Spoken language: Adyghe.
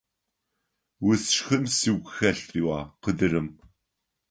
Усшхын сыгу хэлъ! – риӀуагъ къыдырым.